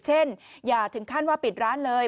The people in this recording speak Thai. อย่าถึงขั้นว่าปิดร้านเลย